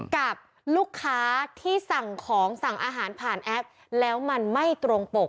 กับลูกค้าที่สั่งของสั่งอาหารผ่านแอปแล้วมันไม่ตรงปก